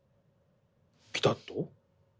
ピタッと？